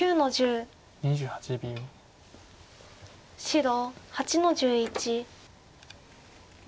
白８の十一。